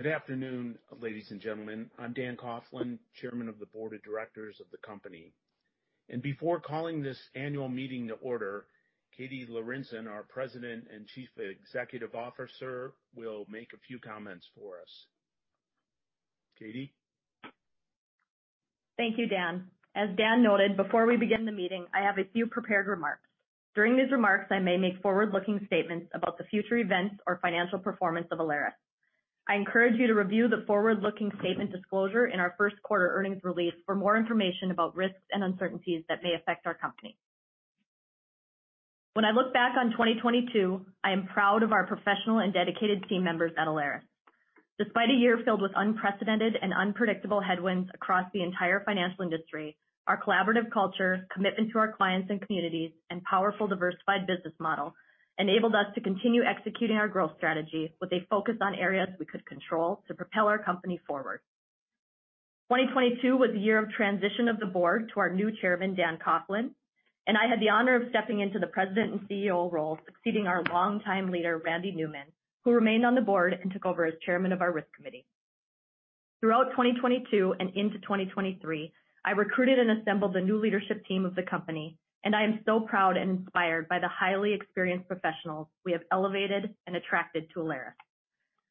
Good afternoon, ladies and gentlemen. I'm Dan Coughlin, Chairman of the Board of Directors of the company. Before calling this annual meeting to order, Katie Lorenson, our President and Chief Executive Officer, will make a few comments for us. Katie? Thank you, Dan. As Dan noted, before we begin the meeting, I have a few prepared remarks. During these remarks, I may make forward-looking statements about the future events or financial performance of Alerus. I encourage you to review the forward-looking statement disclosure in our first quarter earnings release for more information about risks and uncertainties that may affect our company. When I look back on 2022, I am proud of our professional and dedicated team members at Alerus. Despite a year filled with unprecedented and unpredictable headwinds across the entire financial industry, our collaborative culture, commitment to our clients and communities, and powerful, diversified business model enabled us to continue executing our growth strategy with a focus on areas we could control to propel our company forward. 2022 was a year of transition of the board to our new Chairman, Dan Coughlin. I had the honor of stepping into the President and CEO role, succeeding our longtime leader, Randy Newman, who remained on the board and took over as Chairman of our risk committee. Throughout 2022 and into 2023, I recruited and assembled the new leadership team of the company. I am so proud and inspired by the highly experienced professionals we have elevated and attracted to Alerus.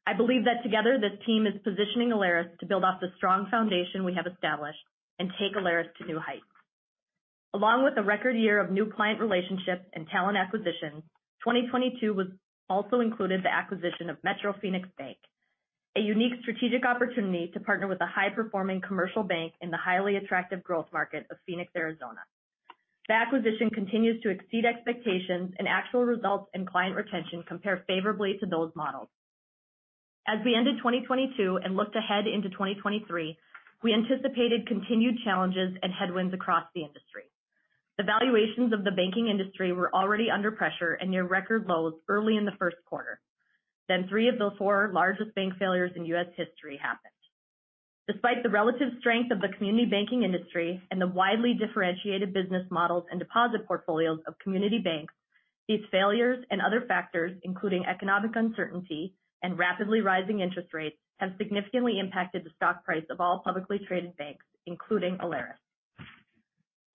I believe that together this team is positioning Alerus to build off the strong foundation we have established and take Alerus to new heights. Along with a record year of new client relationships and talent acquisition, 2022 also included the acquisition of Metro Phoenix Bank, a unique strategic opportunity to partner with a high-performing commercial bank in the highly attractive growth market of Phoenix, Arizona. The acquisition continues to exceed expectations and actual results and client retention compare favorably to those models. As we ended 2022 and looked ahead into 2023, we anticipated continued challenges and headwinds across the industry. The valuations of the banking industry were already under pressure and near record lows early in the first quarter. 3 of the 4 largest bank failures in U.S. history happened. Despite the relative strength of the community banking industry and the widely differentiated business models and deposit portfolios of community banks, these failures and other factors, including economic uncertainty and rapidly rising interest rates, have significantly impacted the stock price of all publicly traded banks, including Alerus.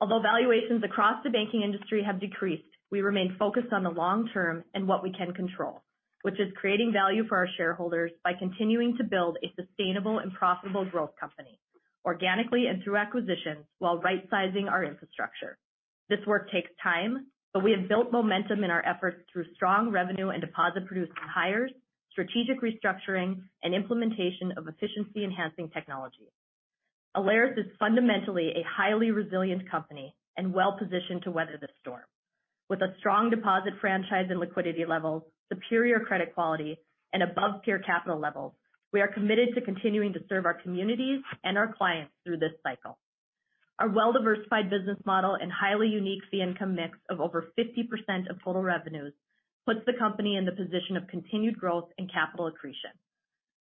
Although valuations across the banking industry have decreased, we remain focused on the long term and what we can control, which is creating value for our shareholders by continuing to build a sustainable and profitable growth company organically and through acquisitions while rightsizing our infrastructure. This work takes time, but we have built momentum in our efforts through strong revenue and deposit-producing hires, strategic restructuring, and implementation of efficiency-enhancing technology. Alerus is fundamentally a highly resilient company and well-positioned to weather the storm. With a strong deposit franchise and liquidity levels, superior credit quality, and above-peer capital levels, we are committed to continuing to serve our communities and our clients through this cycle. Our well-diversified business model and highly unique fee income mix of over 50% of total revenues puts the company in the position of continued growth and capital accretion.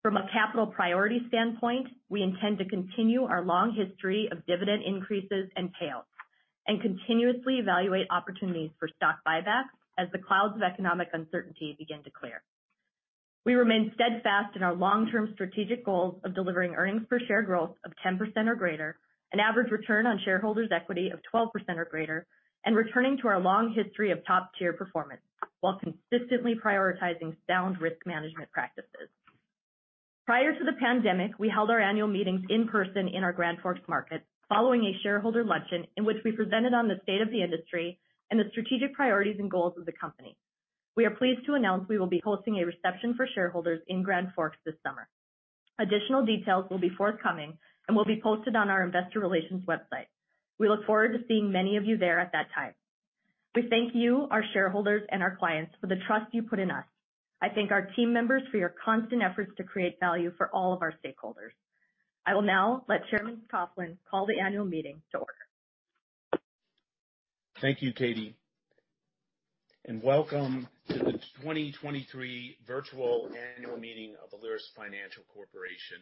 From a capital priority standpoint, we intend to continue our long history of dividend increases and payouts and continuously evaluate opportunities for stock buybacks as the clouds of economic uncertainty begin to clear. We remain steadfast in our long-term strategic goals of delivering earnings per share growth of 10% or greater, an average return on shareholders' equity of 12% or greater, and returning to our long history of top-tier performance while consistently prioritizing sound risk management practices. Prior to the pandemic, we held our annual meetings in person in our Grand Forks market following a shareholder luncheon in which we presented on the state of the industry and the strategic priorities and goals of the company. We are pleased to announce we will be hosting a reception for shareholders in Grand Forks this summer. Additional details will be forthcoming and will be posted on our investor relations website. We look forward to seeing many of you there at that time. We thank you, our shareholders and our clients for the trust you put in us. I thank our team members for your constant efforts to create value for all of our stakeholders. I will now let Chairman Coughlin call the annual meeting to order. Thank you, Katie, and welcome to the 2023 virtual annual meeting of Alerus Financial Corporation.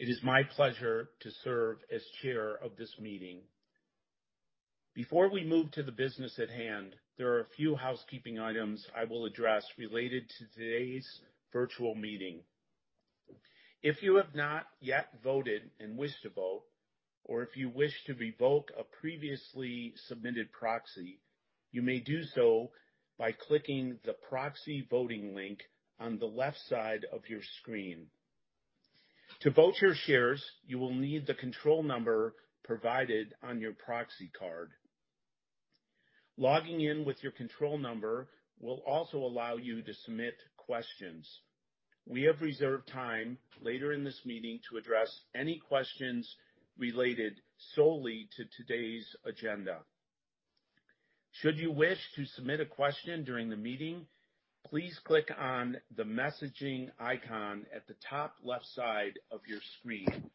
It is my pleasure to serve as chair of this meeting. Before we move to the business at hand, there are a few housekeeping items I will address related to today's virtual meeting. If you have not yet voted and wish to vote, or if you wish to revoke a previously submitted proxy, you may do so by clicking the proxy voting link on the left side of your screen. To vote your shares, you will need the control number provided on your proxy card. Logging in with your control number will also allow you to submit questions. We have reserved time later in this meeting to address any questions related solely to today's agenda. Should you wish to submit a question during the meeting, please click on the messaging icon at the top left side of your screen.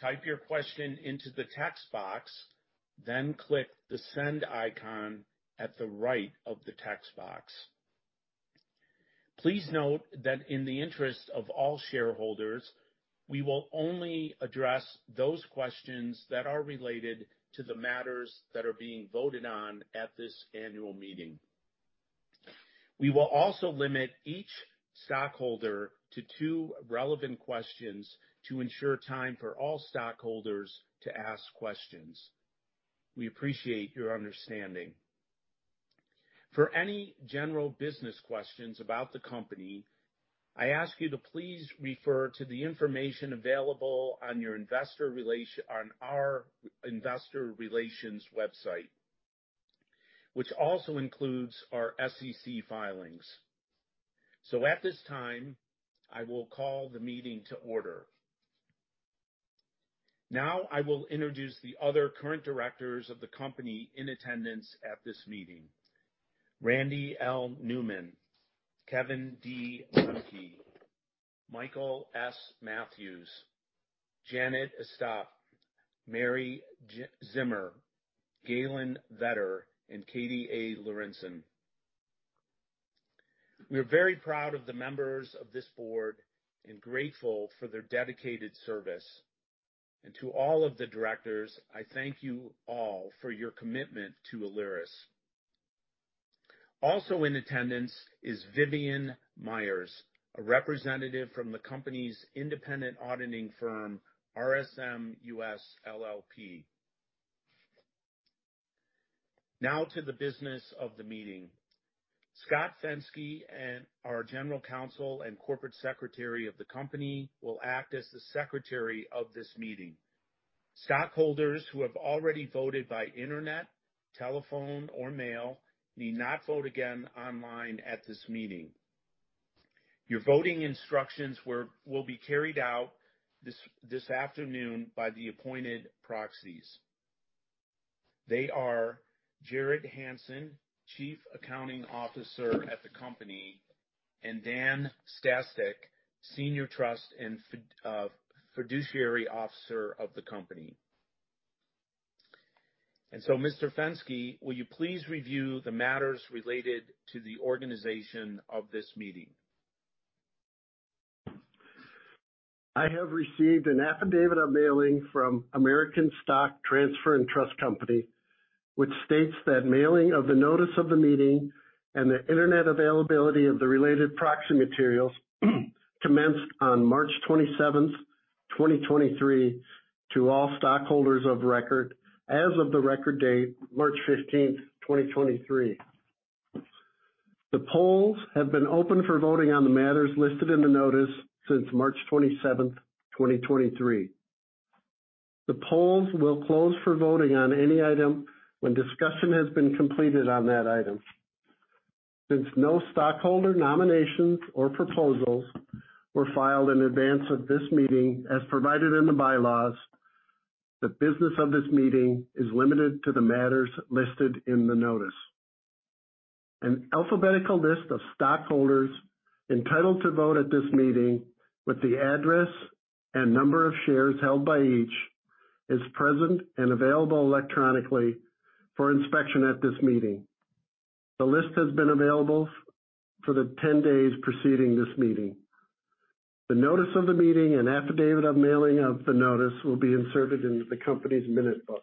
Type your question into the text box, then click the send icon at the right of the text box. Please note that in the interest of all shareholders, we will only address those questions that are related to the matters that are being voted on at this annual meeting. We will also limit each stockholder to two relevant questions to ensure time for all stockholders to ask questions. We appreciate your understanding. For any general business questions about the company, I ask you to please refer to the information available on our investor relations website, which also includes our SEC filings. At this time, I will call the meeting to order. I will introduce the other current directors of the company in attendance at this meeting. Randy L. Newman, Kevin D. Lemke, Michael S. Mathews, Janet Estep, Mary Zimmer, Galen Vetter, and Katie A. Lorenson. We are very proud of the members of this board and grateful for their dedicated service. To all of the directors, I thank you all for your commitment to Alerus. Also in attendance is Vivian Myers, a representative from the company's independent auditing firm, RSM US LLP. To the business of the meeting. Scott Fenske, our General Counsel and Corporate Secretary of the company, will act as the Secretary of this meeting. Stockholders who have already voted by internet, telephone or mail need not vote again online at this meeting. Your voting instructions will be carried out this afternoon by the appointed proxies. They are Jared Hansen, Chief Accounting Officer at the company, and Dan Stashek, Senior Trust and Fiduciary Officer of the company. Mr. Fenske, will you please review the matters related to the organization of this meeting? I have received an affidavit of mailing from American Stock Transfer and Trust Company, which states that mailing of the notice of the meeting and the internet availability of the related proxy materials commenced on March 27th, 2023, to all stockholders of record as of the record date March 15th, 2023. The polls have been open for voting on the matters listed in the notice since March 27th, 2023. The polls will close for voting on any item when discussion has been completed on that item. Since no stockholder nominations or proposals were filed in advance of this meeting as provided in the bylaws, the business of this meeting is limited to the matters listed in the notice. An alphabetical list of stockholders entitled to vote at this meeting with the address and number of shares held by each, is present and available electronically for inspection at this meeting. The list has been available for the 10 days preceding this meeting. The notice of the meeting and affidavit of mailing of the notice will be inserted into the company's minute book.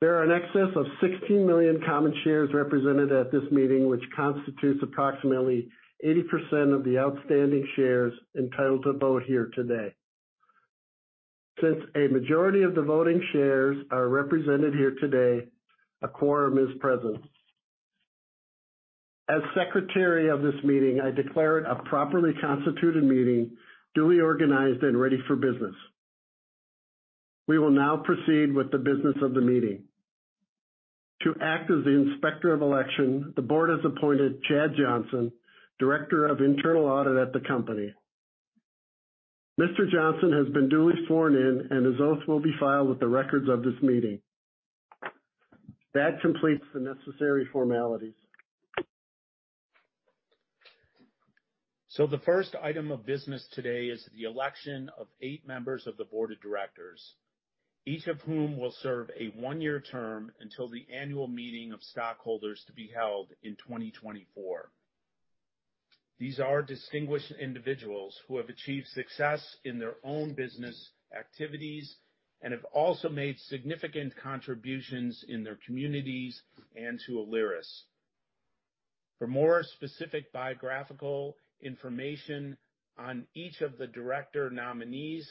There are an excess of 16 million common shares represented at this meeting, which constitutes approximately 80% of the outstanding shares entitled to vote here today. Since a majority of the voting shares are represented here today, a quorum is present. As secretary of this meeting, I declare it a properly constituted meeting, duly organized and ready for business. We will now proceed with the business of the meeting. To act as the Inspector of Election, the board has appointed Chad Johnson, Director of Internal Audit at the company. Mr. Johnson has been duly sworn in and his oath will be filed with the records of this meeting. That completes the necessary formalities. The first item of business today is the election of 8 members of the Board of Directors, each of whom will serve a 1-year term until the annual meeting of stockholders to be held in 2024. These are distinguished individuals who have achieved success in their own business activities and have also made significant contributions in their communities and to Alerus. For more specific biographical information on each of the director nominees,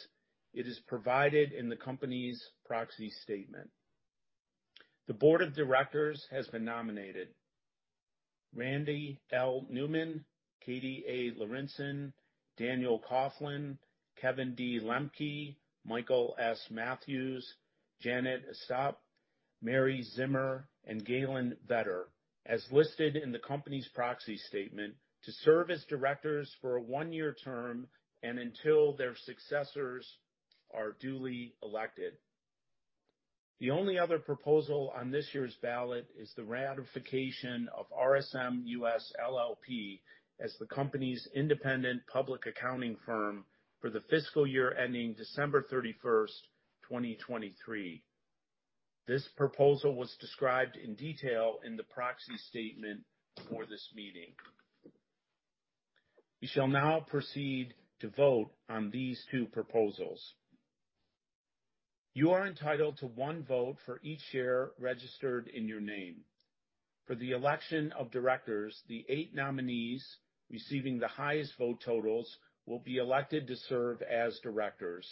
it is provided in the company's proxy statement. The Board of Directors has been nominated Randy L. Newman, Katie A. Lorenson, Daniel Coughlin, Kevin D. Lemke, Michael S. Mathews, Janet Estep, Mary Zimmer, and Galen Vetter, as listed in the company's proxy statement to serve as directors for a 1-year term and until their successors are duly elected. The only other proposal on this year's ballot is the ratification of RSM US LLP as the company's independent public accounting firm for the fiscal year ending December thirty-first, twenty twenty-three. This proposal was described in detail in the proxy statement for this meeting. We shall now proceed to vote on these two proposals. You are entitled to one vote for each share registered in your name. For the election of directors, the eight nominees receiving the highest vote totals will be elected to serve as directors.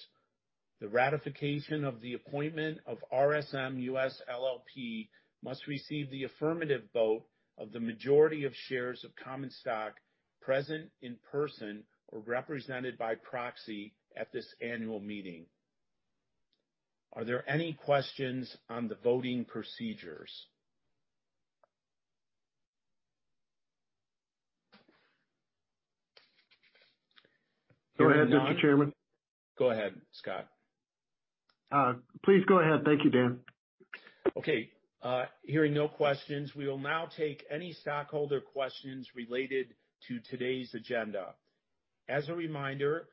The ratification of the appointment of RSM US LLP must receive the affirmative vote of the majority of shares of common stock present in person or represented by proxy at this annual meeting. Are there any questions on the voting procedures? Go ahead, Mr. Chairman. Go ahead, Scott. Please go ahead. Thank you, Dan. Hearing no questions, we will now take any stockholder questions related to today's agenda. As a reminder,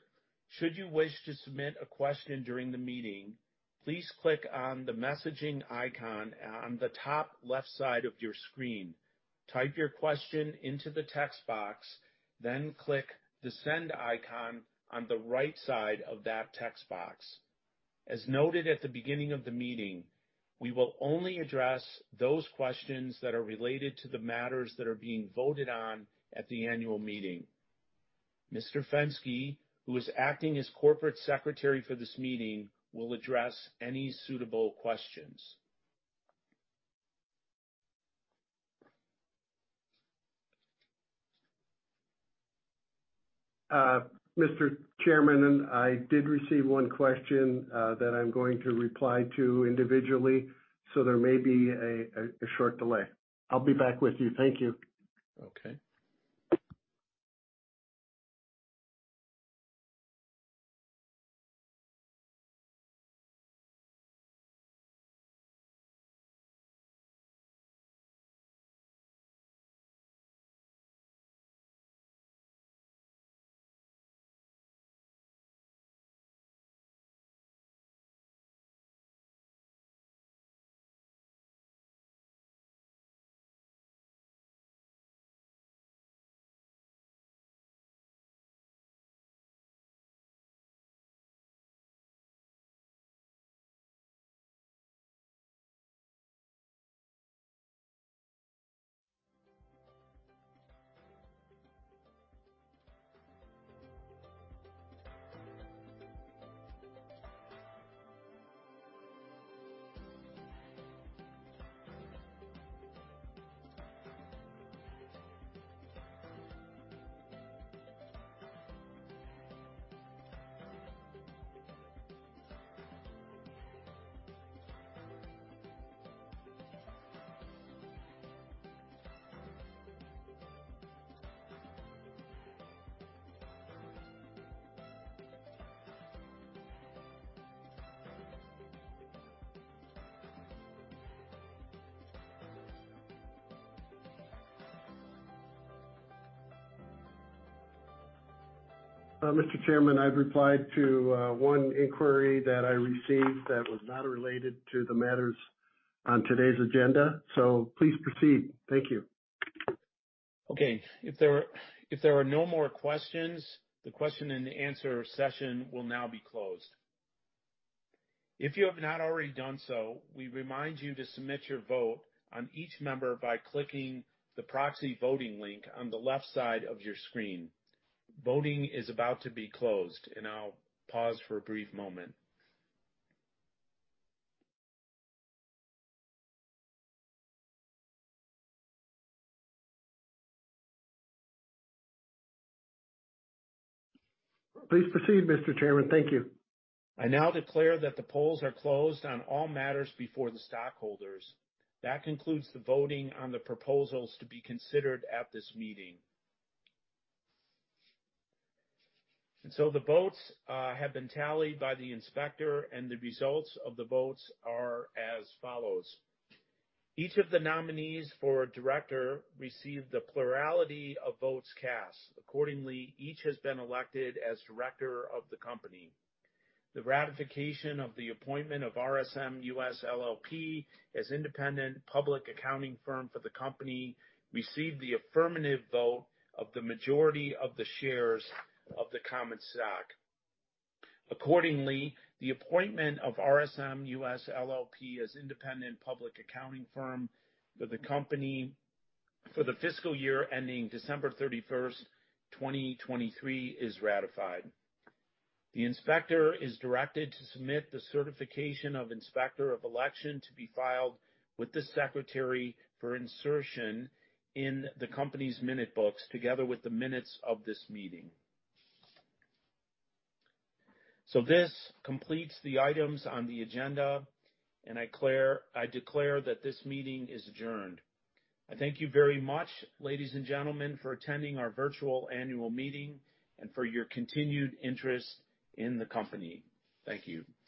should you wish to submit a question during the meeting, please click on the messaging icon on the top left side of your screen. Type your question into the text box, then click the send icon on the right side of that text box. As noted at the beginning of the meeting, we will only address those questions that are related to the matters that are being voted on at the annual meeting. Mr. Fenske, who is acting as Corporate Secretary for this meeting, will address any suitable questions. Mr. Chairman, I did receive one question that I'm going to reply to individually, so there may be a short delay. I'll be back with you. Thank you. Okay. Mr. Chairman, I've replied to one inquiry that I received that was not related to the matters on today's agenda. Please proceed. Thank you. Okay. If there are no more questions, the question and answer session will now be closed. If you have not already done so, we remind you to submit your vote on each member by clicking the proxy voting link on the left side of your screen. Voting is about to be closed, and I'll pause for a brief moment. Please proceed, Mr. Chairman. Thank you. I now declare that the polls are closed on all matters before the stockholders. That concludes the voting on the proposals to be considered at this meeting. The votes have been tallied by the inspector, and the results of the votes are as follows. Each of the nominees for director received the plurality of votes cast. Accordingly, each has been elected as director of the company. The ratification of the appointment of RSM US LLP as independent public accounting firm for the company received the affirmative vote of the majority of the shares of the common stock. Accordingly, the appointment of RSM US LLP as independent public accounting firm for the company for the fiscal year ending December 31, 2023 is ratified. The Inspector is directed to submit the certification of Inspector of Election to be filed with the Secretary for insertion in the company's minute books together with the minutes of this meeting. This completes the items on the agenda, and I declare that this meeting is adjourned. I thank you very much, ladies and gentlemen, for attending our virtual annual meeting and for your continued interest in the company. Thank you.